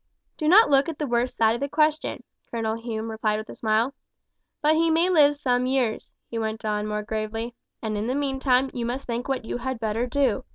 "Do not look at the worst side of the question," Colonel Hume replied with a smile. "But he may live some years," he went on more gravely, "and in the meantime you must think what you had better do.